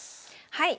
はい。